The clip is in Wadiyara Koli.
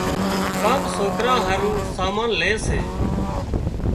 ڪانڪ سوڪريان هارو سامان لي سي